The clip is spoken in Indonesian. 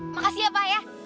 makasih ya pak ya